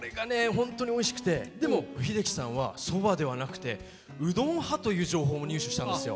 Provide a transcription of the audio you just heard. ほんとにおいしくてでも秀樹さんはそばではなくてうどん派という情報も入手したんですよ。